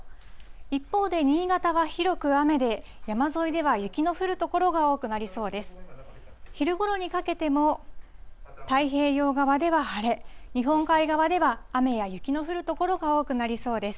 一方で新潟は広く雨で、山沿いでは雪の降る所が多くなりそうです。